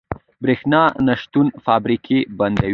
برښنا نشتون فابریکې بندوي.